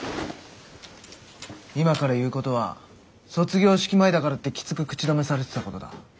今から言うことは卒業式前だからってきつく口止めされてたことだ。